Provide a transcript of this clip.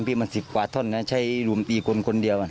พี่มัน๑๐บาทท่อนนะใช้รวมปีคนเดียว